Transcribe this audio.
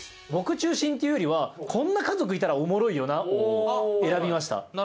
僕中心っていうよりはこんな家族いたらおもろいよなという選びました。